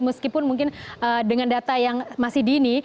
meskipun mungkin dengan data yang masih dini